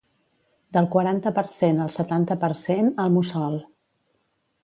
Del quaranta per cent al setanta per cent, el mussol.